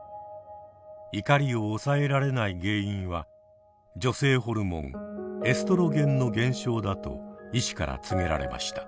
怒りを抑えられない原因は女性ホルモンエストロゲンの減少だと医師から告げられました。